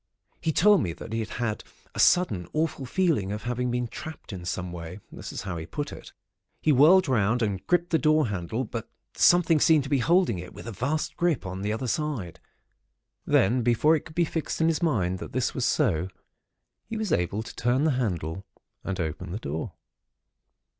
He told me that he had a sudden awful feeling of having been trapped in some way—that is how he put it. He whirled round, and gripped the door handle; but something seemed to be holding it with a vast grip on the other side. Then, before it could be fixed in his mind that this was so, he was able to turn the handle, and open the door.